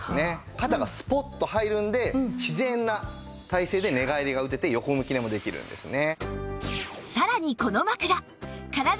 肩がスポッと入るので自然な体勢で寝返りが打てて横向き寝もできるんですね。